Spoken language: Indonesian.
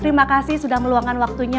terima kasih sudah meluangkan waktunya